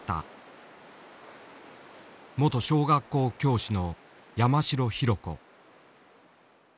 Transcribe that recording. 元小学校教師の山城ヒロ子。